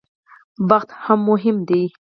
بخت هم مهم دی.